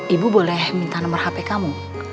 ibu boleh minta nomor hp kamu